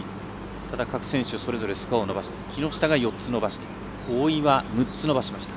ただ、各選手それぞれスコアを伸ばして木下が４つ伸ばして大岩、６つ伸ばしました。